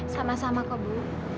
sama sama kok bu